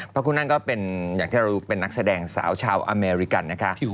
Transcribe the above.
พระคุณนั่นก็เป็นอย่างที่เราเป็นนักแสดงสาวชาวอเมริกันนะคะ